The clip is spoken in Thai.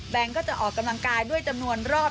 ก็จะออกกำลังกายด้วยจำนวนรอบ